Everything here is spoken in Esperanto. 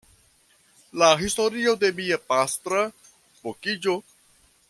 La historio de mia pastra vokiĝo?